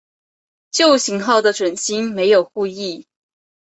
旧型号的准星没有护翼。